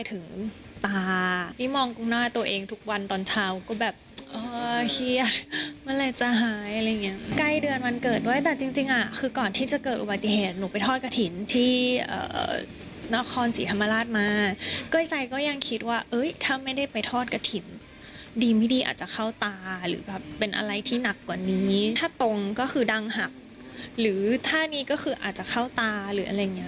ถ้าตรงก็คือดังหักหรือถ้านี้ก็คืออาจจะเข้าตาหรืออะไรอย่างเงี้ย